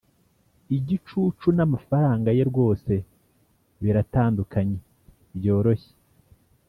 igicucu n'amafaranga ye rwose biratandukanye byoroshye.